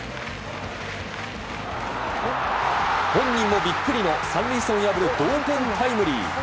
本人もビックリの３塁線を破る同点タイムリー。